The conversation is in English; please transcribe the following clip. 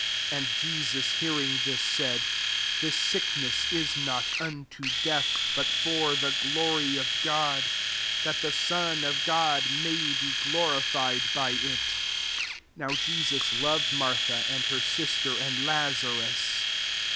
4 And Jesus hearing this, said, ^*This siekness is not unto death ; but for the glory of God, that the Son of God may be glorified by it." 5 (Now Jesus loved Martha, and her sister, and Lazarus.)